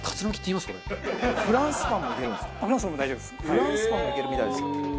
フランスパンもいけるみたいです。